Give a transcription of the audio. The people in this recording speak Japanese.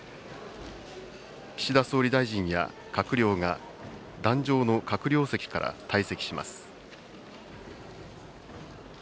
岸田総理大臣や閣僚が、壇上の閣僚席から退席します。